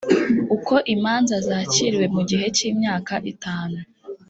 Uko imanza zakiriwe mu gihe cy imyaka itanu